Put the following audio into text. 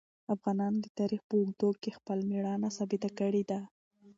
افغانانو د تاریخ په اوږدو کې خپل مېړانه ثابته کړې ده.